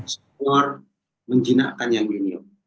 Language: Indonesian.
senior menjinakkan yang junior